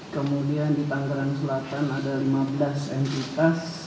kemudian di tanggerang selatan ada lima belas entitas